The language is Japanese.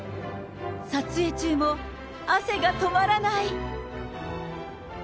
撮影中も汗が止まらない。